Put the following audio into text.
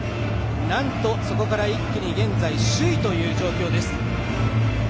なんと、そこから一気に現在、首位という状況です。